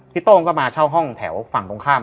โต้งก็มาเช่าห้องแถวฝั่งตรงข้าม